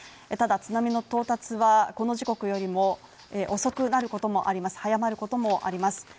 ただ津波の到達は、この時刻よりも遅くなることもあります早まることもあります。